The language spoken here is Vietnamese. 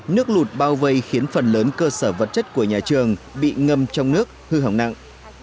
nước lụt bao vây khiến phần lớn cơ sở vật chất của nhà trường bị ngâm trong nước hư hỏng nặng